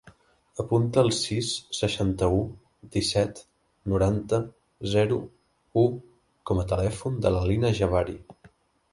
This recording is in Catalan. Apunta el sis, seixanta-u, disset, noranta, zero, u com a telèfon de la Lina Jebari.